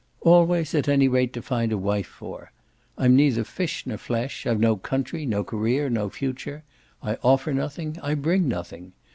"Always at any rate to find a wife for. I'm neither fish nor flesh. I've no country, no career, no future; I offer nothing; I bring nothing.